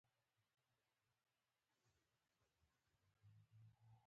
محمود په جګ غږ خبرې کوي.